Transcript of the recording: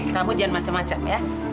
kamu jangan macam macam ya